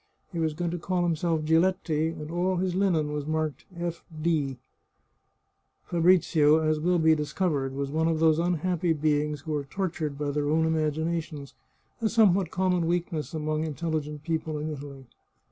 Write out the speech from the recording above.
He was going to call himself Giletti, and all his linen was marked F. D. Fabrizio, as will be observed, was one of those unhappy beings who are tortured by their own imaginations, a some what common weakness among intelligent people in Italy.